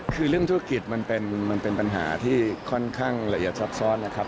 คือเรื่องธุรกิจมันเป็นปัญหาที่ค่อนข้างละเอียดซับซ้อนนะครับ